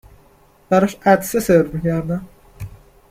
براش عطسه سرو می کردم